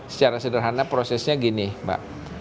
secara sederhana prosesnya gini mbak